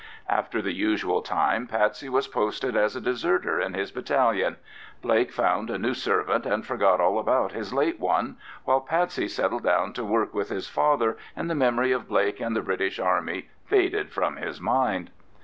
After the usual time Patsey was posted as a deserter in his battalion; Blake found a new servant and forgot all about his late one, while Patsey settled down to work with his father, and the memory of Blake and the British Army faded from his mind.